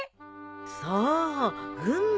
そう群馬に。